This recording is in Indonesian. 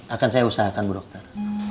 akan saya usahakan bu dokter